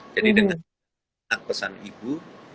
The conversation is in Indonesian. jadi dengan ingat pesan ibu